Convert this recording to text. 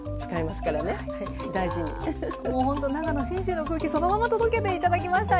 もうほんと長野信州の空気そのまま届けて頂きました。